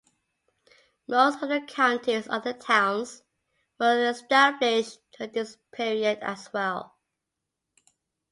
Most of the county's other towns were established during this period as well.